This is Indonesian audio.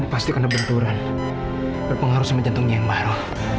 pasti karena benturan berpengaruh sama jantungnya yang baru